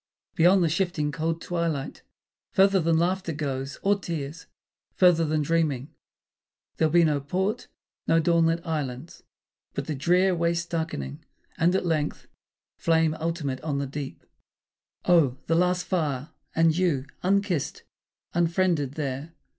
... Beyond the shifting cold twilight, Further than laughter goes, or tears, further than dreaming, There'll be no port, no dawn lit islands! But the drear Waste darkening, and, at length, flame ultimate on the deep. Oh, the last fire and you, unkissed, unfriended there!